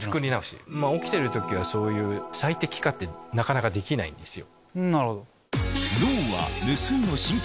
起きてる時はそういう最適化ってなかなかできないんですよ。